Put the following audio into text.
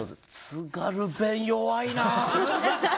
津軽弁弱いな。